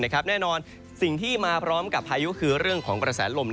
แน่นอนสิ่งที่มาพร้อมกับพายุคือเรื่องของกระแสลม